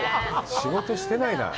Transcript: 仕事してないなあ。